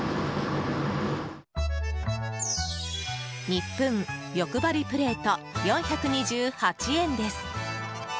ニップン、よくばりプレート４２８円です。